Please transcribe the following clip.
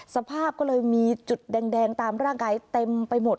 สภาพก็เลยมีจุดแดงตามร่างกายเต็มไปหมด